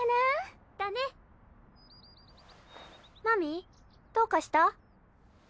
真美どうかした？